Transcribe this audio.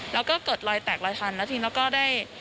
แล้วก็เกิดรอยแตกลอยทันแล้วทีนี้ก็ได้